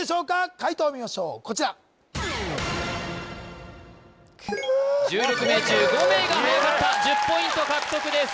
解答を見ましょうこちら１６名中５名がはやかった１０ポイント獲得です